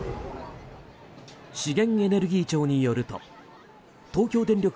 資源エネルギー庁によると東京電力